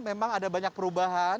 memang ada banyak perubahan